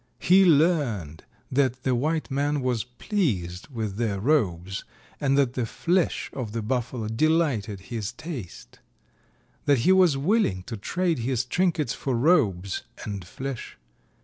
He learned that the white man was pleased with their robes and that the flesh of the Buffalo delighted his taste; that he was willing to trade his trinkets for robes and flesh.